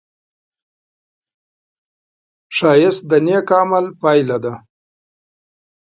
ښایست د نېک عمل پایله ده